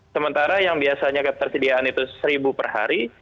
sementara yang biasanya ketersediaan itu seribu per hari